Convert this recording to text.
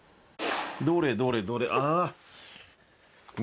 どれどれどれあ！